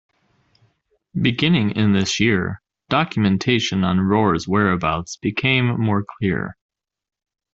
Beginning in this year, documentation on Rore's whereabouts becomes more clear.